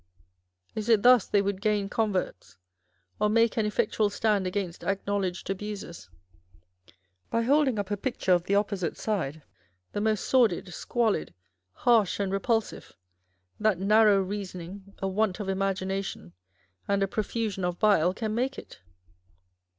Is it thus they would gain converts, or make an effectual stand against acknowledged abuses, by holding up a picture of the opposite side, the most sordid, squalid, harsh, and repulsive, that narrow reasoning, a want of imagination, and a profusion of bile can make it